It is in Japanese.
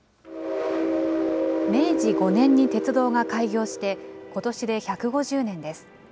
明治５年に鉄道が開業して、ことしで１５０年です。